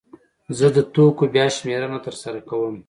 زه د توکو بیا شمېرنه ترسره کوم.